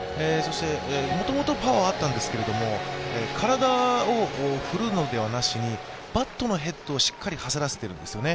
もともとパワーあったんですけれども、体を振るのではなしにバットのヘッドをしっかり走らせているんですよね。